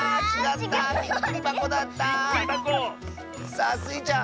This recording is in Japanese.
さあスイちゃん。